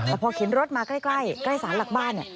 แต่พอเข็นรถมาใกล้สารหลักบ้าน